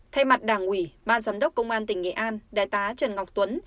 thay mặt đảng ủy ban giám đốc công an tỉnh nghệ an đại tá trần ngọc tuấn